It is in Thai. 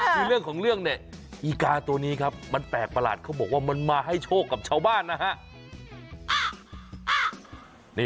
คือเรื่องของเรื่องเนี่ยอีกาตัวนี้ครับมันแปลกประหลาดเขาบอกว่ามันมาให้โชคกับชาวบ้านนะฮะ